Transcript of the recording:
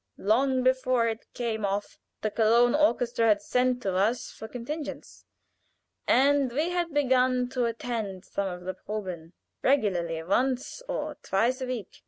Long before it came off the Cologne Orchestra had sent to us for contingents, and we had begun to attend some of the proben regularly once or twice a week.